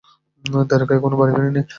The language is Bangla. দ্বেরকা এখনও বাড়ি ফেরেনি।